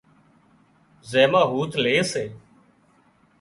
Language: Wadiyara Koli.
زين مان هُوٿ لي سي